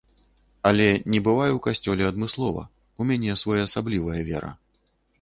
Але не бываю ў касцёле адмыслова, у мяне своеасаблівая вера.